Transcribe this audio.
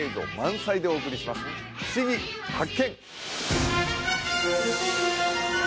ふしぎ発見！